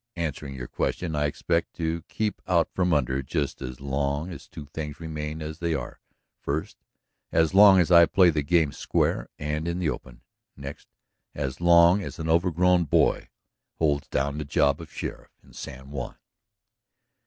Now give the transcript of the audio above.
Answering your question, I expect to keep out from under just as long as two things remain as they are: first, as long as I play the game square and in the open, next, as long as an overgrown boy holds down the job of sheriff in San Juan."